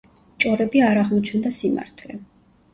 ჭორები არ აღმოჩნდა სიმართლე.